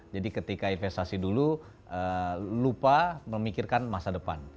jadi ketika investasi dulu lupa memikirkan masa depan